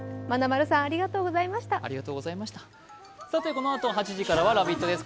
このあと８時からは「ラヴィット！」です。